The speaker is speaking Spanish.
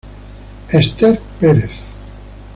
McCoy, Esther.